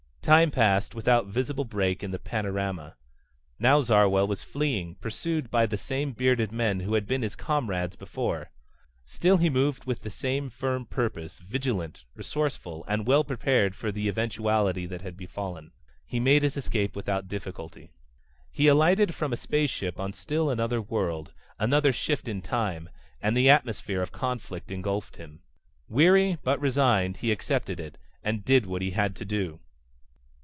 Time passed, without visible break in the panorama. Now Zarwell was fleeing, pursued by the same bearded men who had been his comrades before. Still he moved with the same firm purpose, vigilant, resourceful, and well prepared for the eventuality that had befallen. He made his escape without difficulty. He alighted from a space ship on still another world another shift in time and the atmosphere of conflict engulfed him. Weary but resigned he accepted it, and did what he had to do